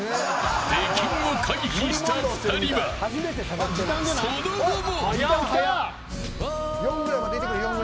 出禁を回避した２人はその後も。